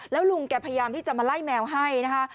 แล้วลุงแกพยายามที่จะมาไล่แมวให้นะคะ